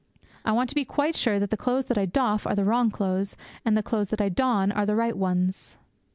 I want to be quite sure that the clothes that I doff are the wrong clothes, and that the clothes that I don are the right ones.